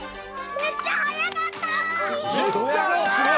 めっちゃはやかった。